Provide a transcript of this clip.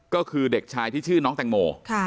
ก็คือเด็กชายที่ชื่อน้องแตงโม